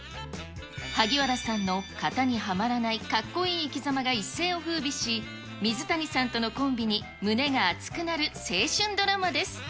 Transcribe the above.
萩原さんの型にはまらないかっこいい生きざまが一世をふうびし、水谷さんとのコンビに胸が熱くなる青春ドラマです。